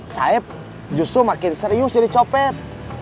saib justru makin serius jadi copet